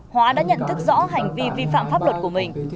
hóa đã nhận thức rõ hành vi vi phạm pháp luật của mình